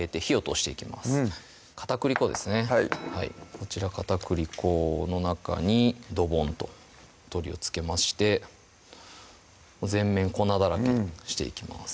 こちら片栗粉の中にドボンと鶏をつけまして全面粉だらけにしていきます